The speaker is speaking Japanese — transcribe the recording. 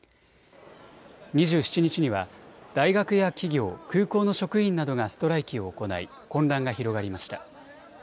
２７日には大学や企業、空港の職員などがストライキを行い混乱が広がりました。